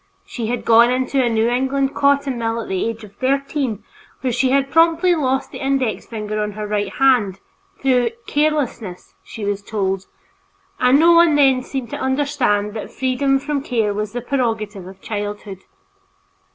She had gone into a New England cotton mill at the age of thirteen, where she had promptly lost the index finger of her right hand, through "carelessness" she was told, and no one then seemed to understand that freedom from care was the prerogative of childhood.